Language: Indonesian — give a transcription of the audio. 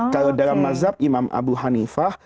kalau dalam mazhab imam abu hanifah